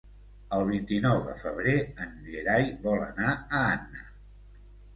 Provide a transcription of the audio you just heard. El vint-i-nou de febrer en Gerai vol anar a Anna.